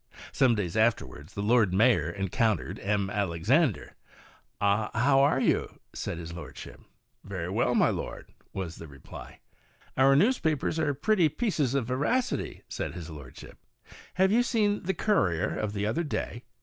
Some days afterwards the Lord Mayor encountered M. Alexandre. " Ah, how are you?" said his lordship. " Very well, my lord," was the reply. "Our newspapers are pretty pieces of veracity," said his lordship; "have you seen the Courier of the other day?